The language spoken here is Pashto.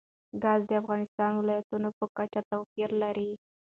ګاز د افغانستان د ولایاتو په کچه توپیر لري.